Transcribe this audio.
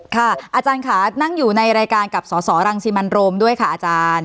อาจารย์ค่ะนั่งอยู่ในรายการกับสสรังสิมันโรมด้วยค่ะอาจารย์